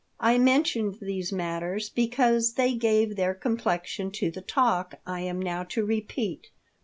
I mention these matters because they gave their complexion to the talk I am now to repeat.